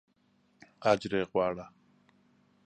اجر یې غواړه.